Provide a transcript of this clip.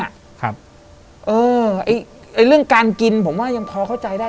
อะไรเรื่องการกินผมว่ายังทอเข้าใจได้